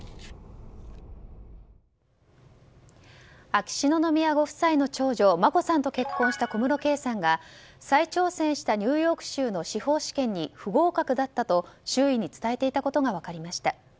秋篠宮ご夫妻の長女眞子さんと結婚した小室圭さんが再挑戦したニューヨーク州の司法試験に不合格だったと周囲に伝えていたことが分かりました。